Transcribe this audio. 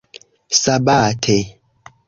sabate